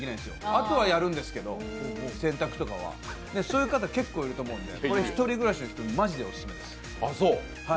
あとはやるんですけど、洗濯とかはそういう方、結構いると思うんですけど１人暮らしの方めちゃくちゃオススメです。